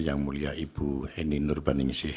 yang mulia ibu eni nur baningsih